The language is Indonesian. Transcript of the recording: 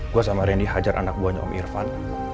gue sama reni hajar anak buahnya om irfan